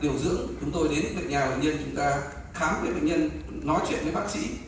đấy là bác sĩ có thể đến tất cả nhà người dân chúng ta khám bệnh nhân nói chuyện với bác sĩ